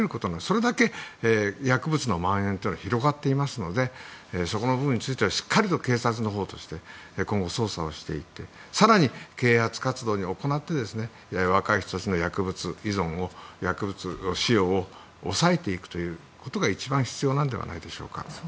それだけ薬物の蔓延は広がっていますのでそこの部分についてはしっかり警察のほうとして今後、捜査していって更に啓発活動を行って若い人たちの薬物使用を抑えていくことが一番必要なのではないでしょうか。